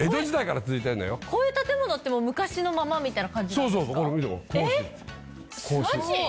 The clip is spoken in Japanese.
こういう建物って昔のままみたいな感じなんですか？